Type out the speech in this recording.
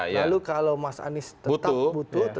lalu kalau mas anies tetap butuh